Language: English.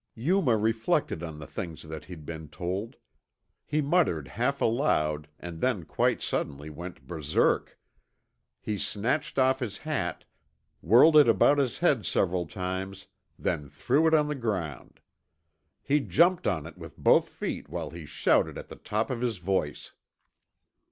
Yuma reflected on the things that he'd been told. He muttered half aloud and then quite suddenly went berserk. He snatched off his hat, whirled it about his head several times, then threw it on the ground. He jumped on it with both feet while he shouted at the top of his voice.